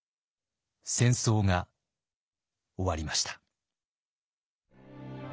戦争が終わりました。